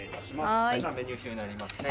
はいこちらメニュー表になりますね